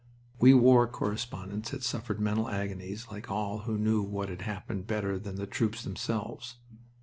We war correspondents had suffered mental agonies like all who knew what had happened better than the troops themselves.